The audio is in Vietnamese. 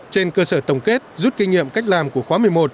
trên cơ sở tổng kết rút kinh nghiệm cách làm của khóa một mươi một